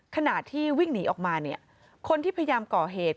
ขณะที่วิ่งหนีออกมาเนี่ยคนที่พยายามก่อเหตุ